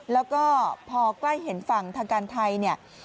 แล้วก็พอกล้ายเห็นฝั่งทางการไทย